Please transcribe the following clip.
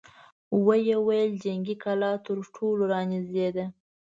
ويې ويل: جنګي کلا تر ټولو را نېږدې ده!